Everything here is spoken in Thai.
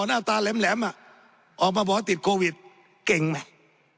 แต่อาทิตย์ที่แล้วหล่อหน้าตาแหลมออกมาบอกว่าติดโควิดเก่งไหม